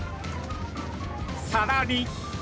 さらに。